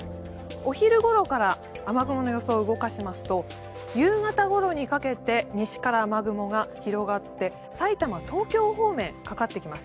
お昼ごろから雨雲の予想を動かしますと夕方ごろにかけて西から雨雲が広がって埼玉、東京方面にかかってきます。